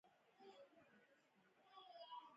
قوانین او د عملي کولو بنسټونه باید رامنځته شوي وای.